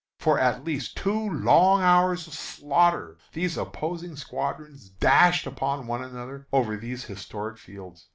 For at least two long hours of slaughter these opposing squadrons dashed upon one another over these historic fields.